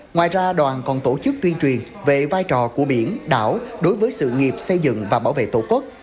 ngoài ra đoàn còn tổ chức tuyên truyền về vai trò của biển đảo đối với sự nghiệp xây dựng và bảo vệ tổ quốc